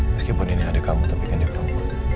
meskipun ini ada kamu tapi kan dia kamu